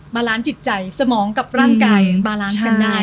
ลานซ์จิตใจสมองกับร่างกายบาลานซ์กันได้